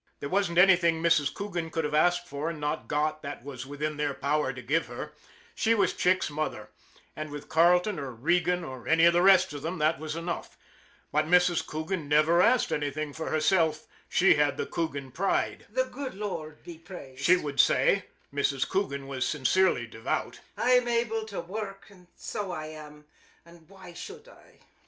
There wasn't anything Mrs. Coogan could have asked for and not got that was within their power to give her she was Chick's mother, and with Carleton or Regan or any of the rest of them that was enough. But Mrs. Coogan never asked anything for herself she had the Coogan pride. " The good Lord be praised," she would say Mrs. Coogan was sincerely devout. " I'm able to worrk, so I am, an' f why should I